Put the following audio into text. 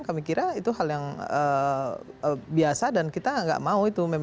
kami kira itu hal yang biasa dan kita nggak mau itu